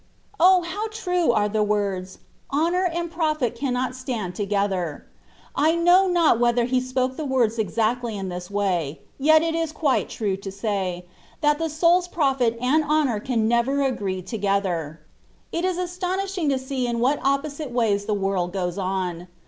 O ! how true are the words, "Honour and profit cannot stand toge ther/' I know not whether He spoke the words exactly in this way ; yet it is quite true to say, that the souPs profit and honour can never agree together. It is astonishing to see in what oppo site ways the world goes on.